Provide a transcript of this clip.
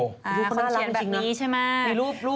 อ่าคอนเชียรแบบนี้ใช่ไหม